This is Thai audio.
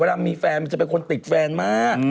เวลามีแฟนมันจะเป็นคนติดแฟนมาก